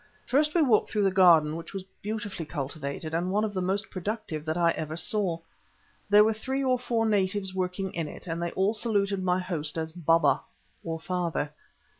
First we walked through the garden, which was beautifully cultivated, and one of the most productive that I ever saw. There were three or four natives working in it, and they all saluted my host as "Baba," or father.